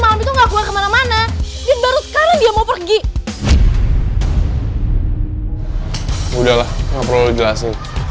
udah lah gak perlu lu jelasin